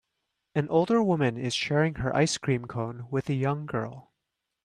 An older woman is sharing her ice cream cone with a young girl.